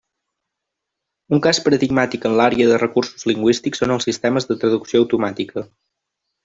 Un cas paradigmàtic en l'àrea de recursos lingüístics són els sistemes de traducció automàtica.